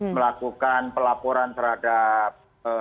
melakukan pelaporan terhadap